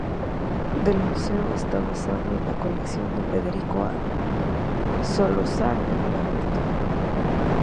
El acervo del museo está basado en la colección de Federico A. Solórzano Barreto.